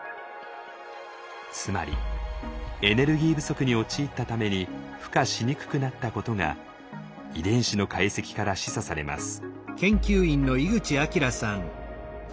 つまりエネルギー不足に陥ったために孵化しにくくなったことが遺伝子の解析から示唆されます。